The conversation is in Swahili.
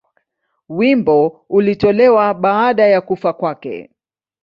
Wimbo ulitolewa baada ya kufa kwake.